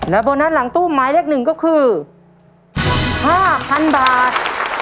โบนัสหลังตู้หมายเลข๑ก็คือ๕๐๐๐บาท